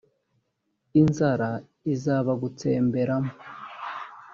inzara izabagutsemberamo